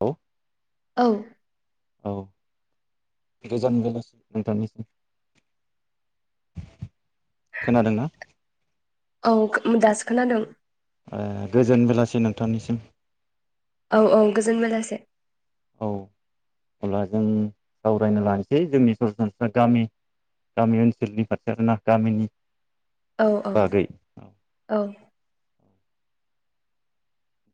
औ औ औ गोजान बेलासि नोंथांनिसिम खोनादोंना? औ खो दासो खोनादों औ गोजोन बेलासि नोंथांनिसिम औ औ गोजोन बेेलासे औ अब्ला जों सावरायनो लानोसै जोंनि सरासनस्रा गामि गामि ओनसोलनि फारसे आर ना गामिनि औ बागै औ औ-औ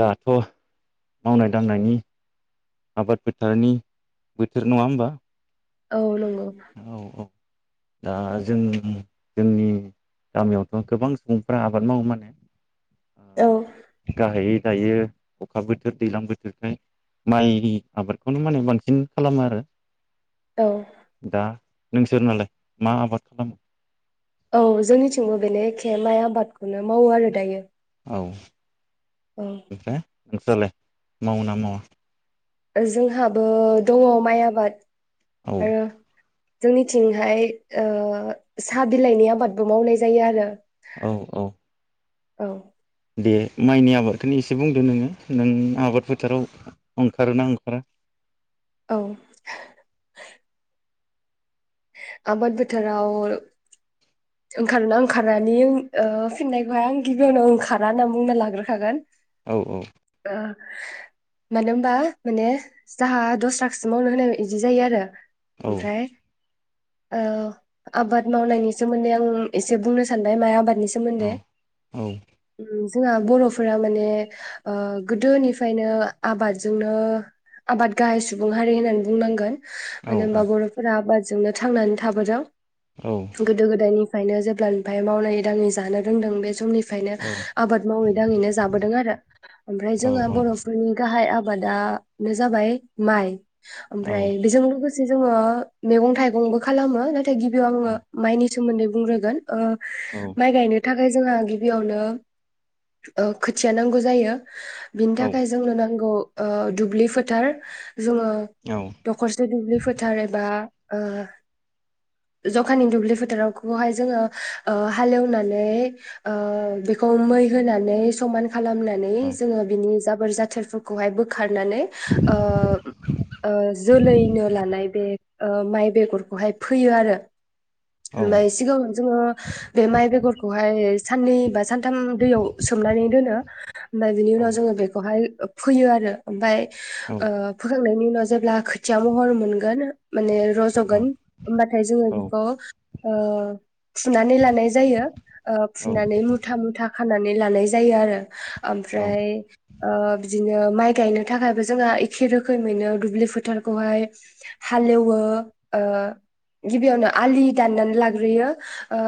दाथ' मावनाय दांनायनि आबाद फोथारनि बोथोर नङा होम्बा औ नंगौ औ औ दा जों जोंनि गामियावथ' गोबां सुबुंफ्रा आबाद मावो माने औ ओ गाहायै जायो अखा बोथोर दैज्लां बोथोरखाय माइ आबादखौनो माने बांसिन खालामो आरो औ दा नोंसोर नालाय मा आबाद खालामो औ जोंनि थिंबो बेनो एखे माइ आबादखौनो मावो आरो दायो औ औ ओमफ्राय नोंसोरलाय मावो ना मावा जोंहाबो दङ माइ आबाद औ आरो जोंनिथिंहाय ओ साहा बिलाइनि आबादबो मावनाय जायो आरो औ औ औ। दे माइनि आबादखौ एसे बुंदो नोङो नों आबाद फोथाराव ओंखारोना ओंखारा? औ। आबाद फोथोराव ओंखारो ना ओंखारानि ओ फिननायखौहाय आं गिबियावनो ओंखारा होनना बुंना लाग्रोखागोन। औ औ ओ। मानो हैमबा माने जाहा दसा खौसो मावनो होनाय इदि जायो आरो। औ ओमफ्राय औ आबाद मावनायनि ज सोमोन्दै आं एसे बुंनो सानबाय माइ आबाद नि सोमोन्दै औ ओम जोंहा बरफोरा माने ओ गोदोनिफ्रायनो आबादजोंनो आबाद गाहाय सुबुं हारि होननानै बुंनांगोन। औ मानो होमबा बरफोरा आबाद जोंनो थांनानै थाबोदों। औ गोदो गोदायनि फ्राइनो जेब्लानिफ्राय मावनांयै दाङै जानो रोंदों बे समनि निफाइनो औ आबाद मावै दाङैनो जाबोदों आरो ओमफ्राय औ जोंङो औ बरफोरनि गाहाय आबा होमबा दानो जाबाय माइ ओमफ्राय बेजों लोगोसे जोङो मैगं थाइगंबो खालामो। फाइ गिबियाव औ आंङो नि सोमोन्दै बुंग्रोगोन। ओ माइ गायनो थाख ओफ्राय जोंहा गिबियावनो ओ खोथिया नांगौ जायो। बिनि थाखाय जोंनो नांगौ ओ दुब्लि फोथार जोङो दखरसे दुब्लि फोथार एबा ओ जख खानि दुब्लि फोथारावखौहाय जोङो ओ हालेवनानै ओ बेखौ मै होनानै समान खालामनानै जोङो बिनि जाब बोर जाथोरफोरखौहाय बोखा खारनानै ओ ओ जोलैनो लानाय बे ओ माइ बेगरखौहाय फैयो आरो। ओमफ्राय सिगां जोङो बे माइ बेगरखौहाय साननै बा सानथाम दैयाव सोमनानै दोनो ओमफ्राय बिनि उनाव जोङो बेखौहाय ओ-' फैयो आरो ओमफाय ओ फोखांनायनि उनाव जेब्ला खोथिया माहर मोनगोन माने रज'गोन होमबाथाय जोङो बेखौ ओ फुनानै लानाय जायो ओ फुनानै मुथा मुथा ख खानानै लानाय जायो आरो। ओमफ्राय ओ बिदिनो माइ गायनो थाखायबो जोंहा एखे रोखोमैनो दुब्लि फोथारखौहाय हालेवो ओ गिबियावनो आलि दाननानै लाग्रोयो। ओ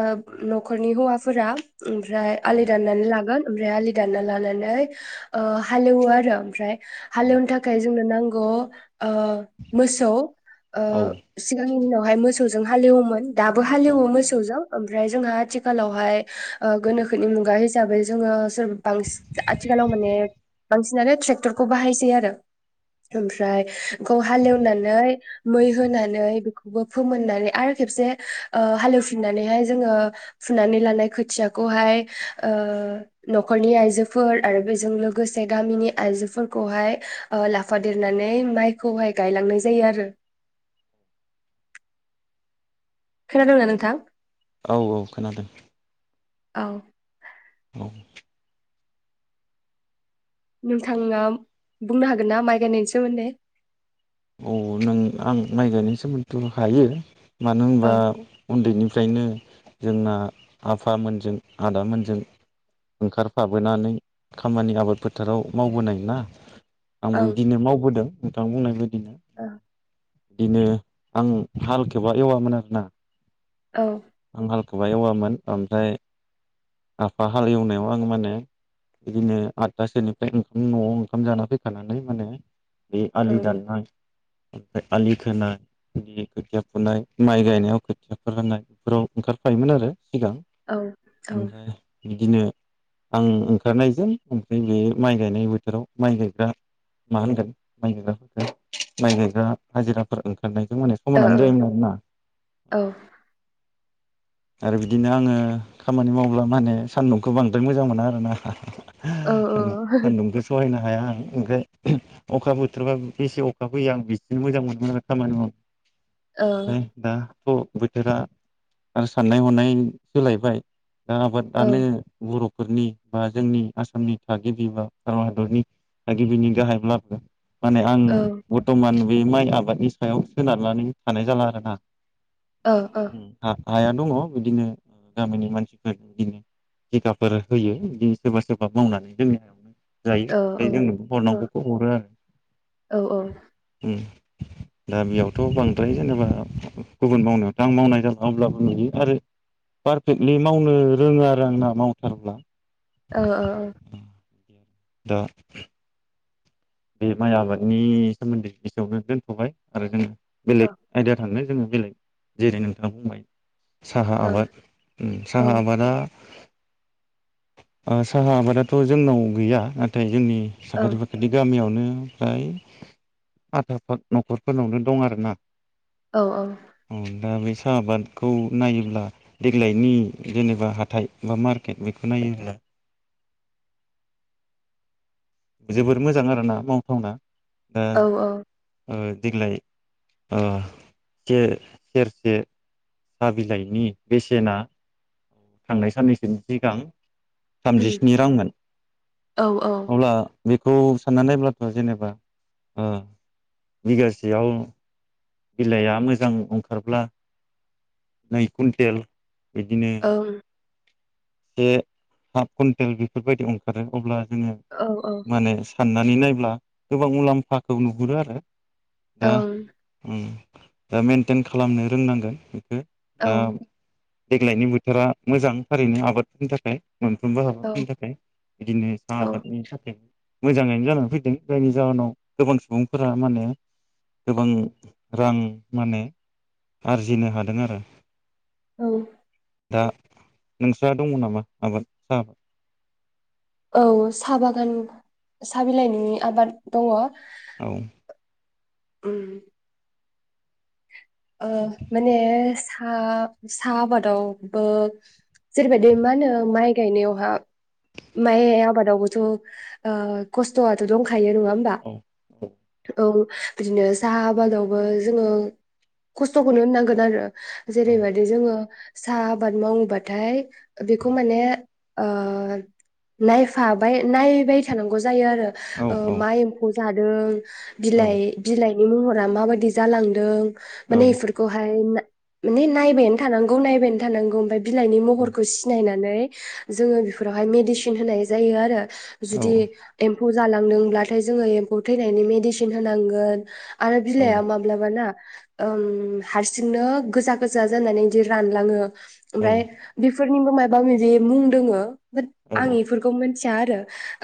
न'खरनि हौवाफ फोरा। ओमफ्राय औ आलि दाननानै लागोन ओमफ्राय आलि दानना लानानै ओ हालेवो आरो ओमफ्राय हालेवनो थाखाय जोंनो नांग ग ओ मोसौ ओ सिगांनि उनावहाय मोस सौजों हालेवोमोन। दाबो हालेवो मोसौजों। ओमफ्राय जोंहा आथिखालावहाय ओ गोनोखोनि मुगा हिसाबै जोङो स सोर बांसिन आथिखालाव माने बांसिनानो ट्रेक्टरखौ बाहायसै आरो ओमफ्राय खौ हालेवनानै मै होनानै बेखौबो फोमोननानै आरो खेबसे ओ हालेवफिननानैहाय जोङो फुनानै लानाय खोथियाखौहाय ओ न'खरनि आइजोफोर आरो बेजों लोगोसे गामिनि आइजोफोरखौहाय ओ लाफादेरनानै माइखौहाय गायलांनाय जायो आरो। खोनादोंं ना नोंथां? औ औ खोनादों। औ। औ। नोंथाङा बुंनो हागोन ना माइ गायनायनि सोमोन्दै? औ नों आं माइ गायनायनि सोमोन्दैथ' हायो। मानो होनबा औ उन्दैनिफ्रायनो जोंना आफामोनजों आदामोनजों ओंखारफाबोनानै खामानि आबाद फोथाराव मावबोनाय ना। आंबो ओं बिदिनो मावबोदों। नोंथां बुंनाय बायद औ इदिनो आं हालखौबा एवामोन आरोना। औ। आं हालखौबा एववामोन ओमफ्राय आफा हाल एवनायाव आं माने बिदिनो आदथासोनिफ्राय ओंखाम न'आव ओंखाम जाना फैखानानै माने बे औ आलि दानना ओमफाय आलि खोनाय बि खोथिया फुनाय माइ गायनायाव खोथियाफोर राननाय राव ओंखारफायोमोन आरो। सिगां औ ओ ओमफ्राय बिदिनो आं ओंखारनायजों ओमफाय बे माइ गायनाय बोथोराव माइ गायग्रा मा होनगोन माइ गायग्राफोरखो माइ गायग्रा हाजिराफोर ओंखारनाय जों माने खमानानो जायोमोन आरोना। ओ औ आरो बिदिनो आङो खामानि मावब्ला मा होनो सान्दुंखौ बांद्राय मोजां मोनो आरोना। औ सान सान्दुंखो सहायना हाया आं ओंखाय अखा बोथोरबा बेसे अखा फैयो आं [unintelligible] मोजां मोनो आरो खामानि माव ओमफायय दा थ बोथोरा आं साननाय हनाय सोलायबाय। दा औ आबादानो बर' फोरनि बा जोंनि आसामनि थागिबि बा भारत हादरनि थागिबिनि गाहाय [unintelligible] माने आं औ बतमान बे माइ आबादनि सायाव सोनारनानै थानाय जाला आरोना। औ ओ हाया दङ बिदिनो गामिनि मानसिफोर बिदिनो तिकाफोर होयो बिदिनो सोरबा सोरबा मावनानै जोंनि हायावनो। जायो औ ओमफाय जोंनो औ हरनांगौखौ हरो आरो औ ओ ओ उम दा बेयावथ' बांद्राय जेनेबा गुबुन मावनायावथ आं मावनाय जाबला अब्लाबो नुयो आरो पारफेक्टलि मावनो रोङो आरो आं ना मावथारब्ला। ओ ओ ओ दा बे माइ आबादनि सोमोन्दै एसेयावनो दोनथ'बाय आरो जों औ बेलेग आयदा थांनो जोङो बेलेग जेरै नोंथाङा बुंबाय साहा आबाद उम साहा आबादा ओ साहा आबादाथ' जोंनाव गैया नाथाय जोंनि औ साखाथि फाखाथि आवनो फ्राय पाता पात न'खरफोरनावनो दं आरो ना औ औ। दा बै साहा आबादखौ नायोब्ला देग्लायनि जेनेबा हाथाय बा मार्केट बेखौ नायोब्ला जोबोर मोजां आरोना मावथावना। दा औ औ। ओ देग्लाय ओ से सेरसे साहा बिलाइनि बेसेना थांनाय साननैसोनि सिगां थामजिस्नि रांमोन अब्ला बेखौ साननानै नायब्लाथ जेनेबा ओ बिगासेयाव बिलाइआ मोजां ओंखारब्ला नै कुइन्टेल बिदिनो ओं औ ओं दे हाफ कुइन्टेल बेफोरबायदि ओंखारो अब्ला जोंङो औ माने साननानै नाय ब्ला गोबां मुलाम्फाखौ नुहुरो आरो दा ओम दा मेेनटेन खालामनो रोंनांगोन बेखौ दा देग्लायनि बोथोरा मोजां थारैनो आबाद नि थाखाय मोनफ्रोमबो हाबाफोरनि थाखाय बिदिनो साहा आबादनि थाखाय मोजांङैनो जानानै फैदों जायनि जाहोनाव गोबां सुबुंफोरा माने गोबां रां माने आरजिनो हादों आरो औ औ दा नोंस्रा दंङ नामा आबाद साहाबाद औ साहा बागान साहा बिलाइनि आबाद दङ। औ उम ओ मानेस था सा आबादावबो जेरैबायदि मा होनो माइ गायनायावहा माइ आबादावबोथ ओ खस्थआथ दंखायो थायो नंङा होमबा औ औ बिदिनो साहा आबादावबो जोंङो खस्थखौनो होननांगोन आरो औ जेरै बायदि जोंङो साहा आबाद मावनोबाथाय बेखौ माने ओ नायफाबाय नायबाय थानांगौ जायो आरो औ ओ माइ एमफौ जाय यो औ बिलाइ बिलाइ बिनि महरा माबायदि जालांदों औ मानि एफुरखौ हाय ना मानि नायबायानो थानांगौ नायबायानो थानांगौ ओमफाय बिलाइनि महरखौ औ सिनायनानै नै जोङो बेफोरावहाय मेडिसिन होनाय जायो आरो औ जुदि एम्फ एम्फौ जालांदोंब्लाथाय जोङो एम्फौ थैनायनि मेदिसिन होनांगोन। आरो औ बिलाइआ माब्लाबा ना ओम हारसिंनो गोजा गोजा जानानै बिदि रानलाङो। ओमफ्राय बेफोर निबो माबा मायबि मुं दोङो? बाट आं इफोरखौ मोन थिया आरो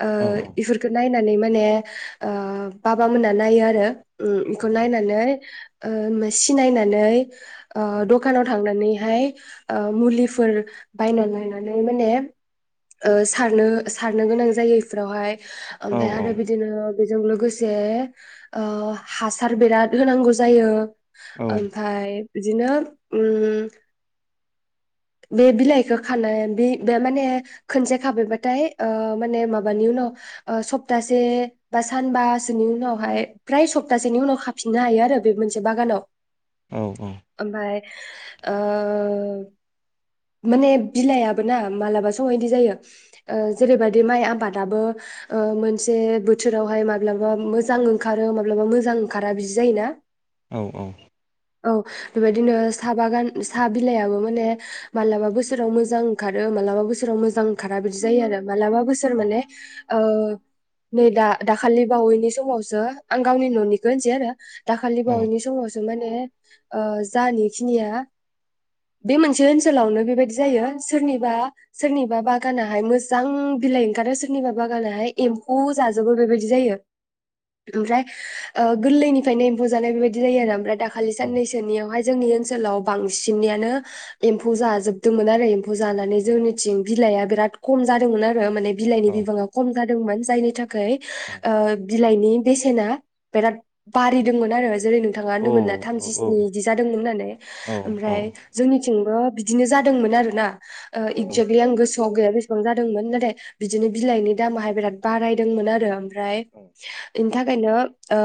ओ औ इफोरखौ नाय होननानै माने ओ बाबामोना नायो आरो ओम इखौ नायनानै ओ सिनायनानै ओ दखानाव थांनानै हाय ओ मुलिफोर बायनानै लायनानै माने ओ सारनो सारनो गोनां जायो इफोरावहाय। ओमफ्राय आरो बिदिनो बेजों लोगोसे ओ हासार बिराद होनांगौ जायो। ओमफाय बिदिनो ओम बे बिलाइखौ खानाय बे बे माने खनसे खाबफायबाथाय ओ माने माबानि उनाव ओ सप्तासे बा सानबासोनि उनावहाय फ्राय सप्तासेनि उनाव खाफिननो हायो आरो बे मोनसे बागानाव। औ औ ओमफ्राय ओ माने बिलाइआबो ना मालाबा समाव इदि जायो ओ जेरैबायदि माइ आबादाबो ओ मोनसे बोथोरावहाय माब्लाबा मोजां ओंखारो माब्लाबा मोजां ओंखारा बिदि जायोना। औ औ औ बेबायदिनो साहा बागान साहा बिलाइआबो माने मालाबा बोसोराव मोजां ओंखारो मालाबा बोसोराव मोजां ओंखारा बिदि जायो आरो। मालाबा बोसोर माने ओ नै दा दाखालि बावैनि समावसो आं गावनि न'निखौ होनसै आरो दाखालि बावैनि समावसो जों माने ओ जाहानि खिनिया बे मोनसे ओन ओन्सोलावनो बेबायदि जायो सोरनिबा सोरनिबा बागानहाय मोजां बिलाइ ओंखारो सोरनिबा बागानहाय एम्फौ जाजोबो बेबायदि जायो ओमफ्राय ओ गोरलैनिफ्रायनो एम्फौ जानाय बेबायदि जायो आरो ओमफ्राय दा खालि साननैसोनियाव हाय जोंनि ओन्सोलाव बांसिननियानो एम्फौ जाजोबदोंमोन आरो एम जानानै जोंनिथिं बिलाइआ बिराद कम जादोंमोन आरो माने बिलाइनि औ बिबाङा कम जादोंमोन जायनि थाखा औ [unintelligible] ओ बिलाइनि बेसेना बेराद बारिदोंमोन आरो। जेरै नोंथाङा औ होनदोंमोनना औ थामजिस्नि इदि जादों होननानै औ ओमफ्राय जोंनि थिंबो बिदिनो जादोंमोन आरोना ओ औ एकजागलि आं गोसोआव गैया बेसेबां जादोंमोन नाथाय बिदिनो बिलाइनि दामाहाय बिराद बारायदोंमोन आरो। फ्राय नोंथां बेनि थाखायनो ओ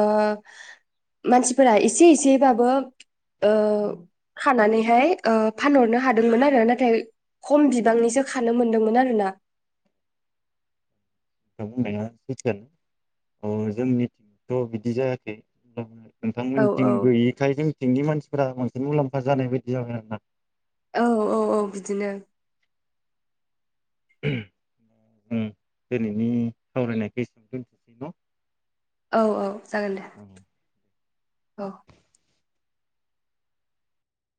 मानसिफोरा एसे एसेबाबो ओ खानानैहाय ओ फानहरनो हादोंमोन आरो नाथाय खम बिबांनिसो खानो मोनदोंमोन आरोना। नों बुंनाया सैथोआनो अ जोंनि [unintelligible] ' बिदि जायाखै [unintelligible] औ औ नोंथांमोननिथिं गैयिखाय जोंथिंनि मानसिफोरा बां मुलाम्फा जानाय बायदि जाबाय आरोना? औ औ औ बिदिनो। उम दिनैनि सावरायनायखो [unintelligible] दोनथसै न'? औ औ जागोन दे औ औ।